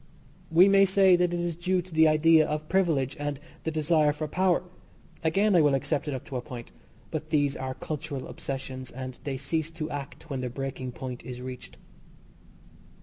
We may say that it is due to the idea of privilege and the desire for power. Again, I will accept it up to a point but these are cultural obsessions, and they cease to act when the breaking point is reached.